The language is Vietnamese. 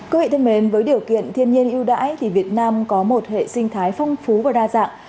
cô hị thân mến với điều kiện thiên nhiên ưu đãi thì việt nam có một hệ sinh thái phong phú và đa dạng